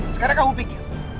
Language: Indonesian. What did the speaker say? sekarang kamu pikir